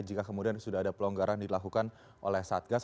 jika kemudian sudah ada pelonggaran dilakukan oleh satgas